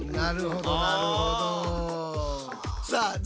ああ！